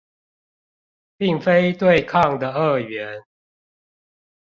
並非對抗的二元